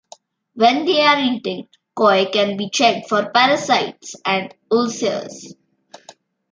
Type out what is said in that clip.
When they are eating, koi can be checked for parasites and ulcers.